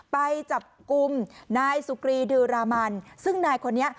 ไปจับกลุ่มนายสุกรีดือรามันซึ่งนายคนนี้